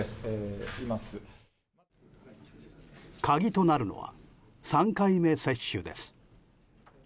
鍵となるのは３回目接種です。